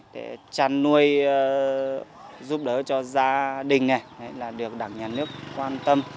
để chăn nuôi giúp đỡ cho gia đình là được đảng nhà nước quan tâm